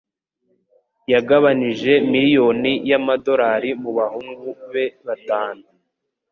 Yagabanije miliyoni y'amadolari mu bahungu be batanu